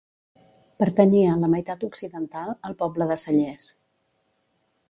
Pertanyia, la meitat occidental, al poble de Cellers.